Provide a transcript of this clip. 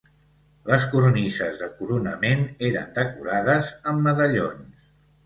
Les cornises de coronament eren decorades amb medallons.